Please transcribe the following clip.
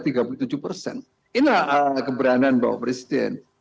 ini adalah keberanian bapak presiden